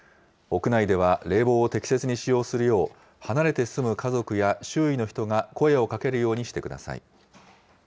屋内では冷房を適切に使用するよう、離れて住む家族や周囲の人が声をかけるようにしてください。